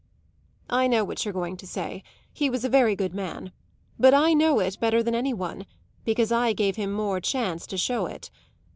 "I know what you're going to say he was a very good man. But I know it better than any one, because I gave him more chance to show it.